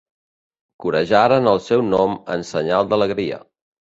Corejaven el seu nom en senyal d'alegria.